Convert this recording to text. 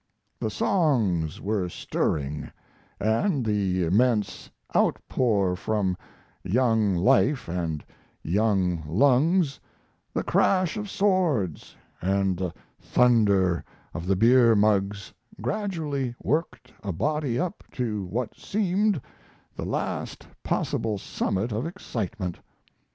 The songs were stirring, and the immense outpour from young life and young lungs, the crash of swords, and the thunder of the beer mugs gradually worked a body up to what seemed the last possible summit of excitement.